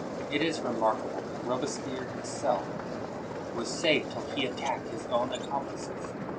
It is remarkable that Robespierre himself was safe till he attacked his own accomplices.